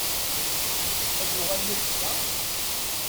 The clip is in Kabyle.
Ad d-uɣalen azekka?